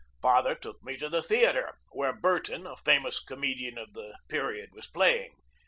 Father took me to the theatre, where Burton, a famous comedian of the period, was playing.